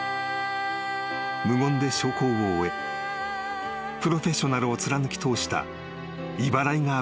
［無言で焼香を終えプロフェッショナルを貫き通したイバライガーブラック］